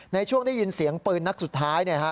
ในช่วงได้ยินเสียงปืนนัดสุดท้าย